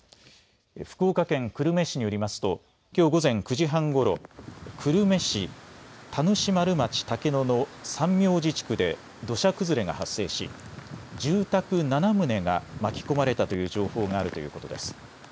福岡県久留米市によりますときょう午前９時半ごろ、久留米市田主丸町竹野の三明寺地区で土砂崩れが発生し住宅７棟が巻き込まれたという情報があるということです。